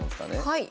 はい。